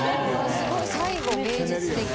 すごい最後芸術的。